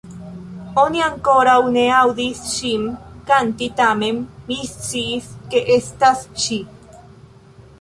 Oni ankoraŭ ne aŭdis ŝin kanti tamen mi sciis ke estas ŝi".